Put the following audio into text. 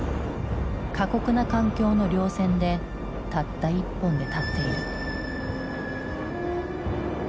過酷な環境の稜線でたった１本で立っている。